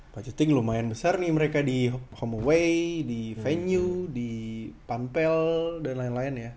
budgeting lumayan besar nih mereka di home away di venue di pampel dan lain lain ya